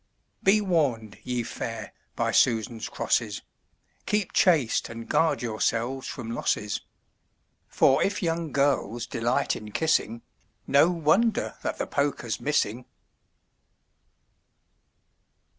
Be warn'd, ye fair, by Susans crosses: Keep chaste and guard yourselves from losses; For if young girls delight in kissing, No wonder that the poker's missing.